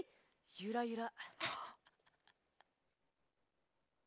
「ゆらゆら」。